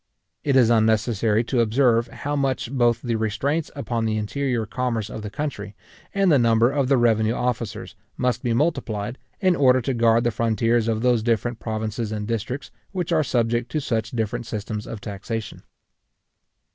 It is unnecessary to observe how much both the restraints upon the interior commerce of the country, and the number of the revenue officers, must be multiplied, in order to guard the frontiers of those different provinces and districts which are subject to such different systems of taxation.